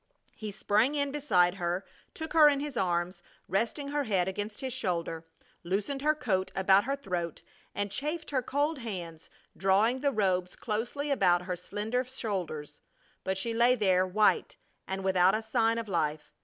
He sprang in beside her, took her in his arms, resting her head against his shoulder, loosened her coat about her throat, and chafed her cold hands, drawing the robes closely about her slender shoulders, but she lay there white and without a sign, of life.